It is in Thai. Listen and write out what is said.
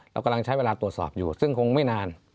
เรากำลังใช้เวลาตรวจสอบอยู่ซึ่งคงไม่นาน